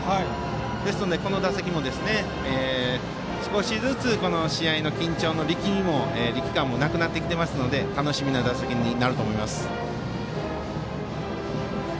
ですので、この打席も少しずつ試合の緊張の力みも力感もなくなってきていますので楽しみな打席になると思います。